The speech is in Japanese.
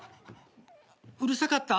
うるさかった？